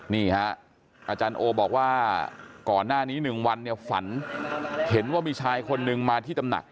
นี่ฮะอาจารย์โอบอกว่าก่อนหน้านี้๑วันเนี่ยฝันเห็นว่ามีชายคนนึงมาที่ตำหนัก